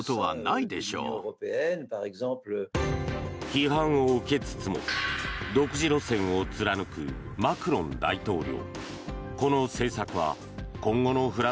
批判を受けつつも独自路線を貫くマクロン大統領。